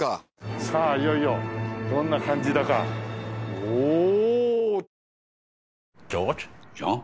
さあいよいよどんな感じだかおお！